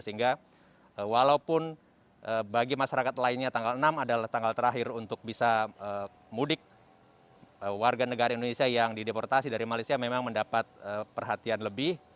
sehingga walaupun bagi masyarakat lainnya tanggal enam adalah tanggal terakhir untuk bisa mudik warga negara indonesia yang dideportasi dari malaysia memang mendapat perhatian lebih